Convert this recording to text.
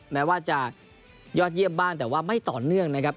แม้ว่าจะยอดเยี่ยมบ้างแต่ว่าไม่ต่อเนื่องนะครับ